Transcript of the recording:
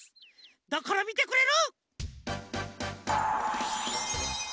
だからみてくれる？